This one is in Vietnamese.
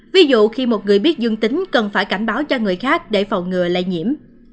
ví dụ khi một người biết dương tính cần phải cảnh báo cho người khác để phòng ngừa lây nhiễm